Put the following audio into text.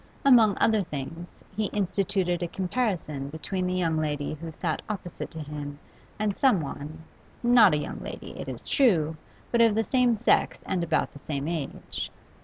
Among other things, he instituted a comparison between the young lady who sat opposite to him and someone not a young lady, it is true, but of the same sex and about the same age.